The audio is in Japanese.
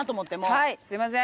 はいすいません。